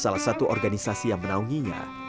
salah satu organisasi yang menaunginya